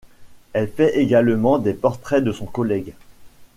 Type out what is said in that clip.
Elle fait également des portraits de son collègue.